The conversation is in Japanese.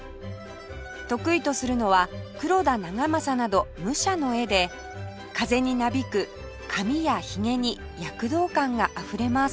得意とするのは黒田長政など武者の絵で風になびく髪やひげに躍動感があふれます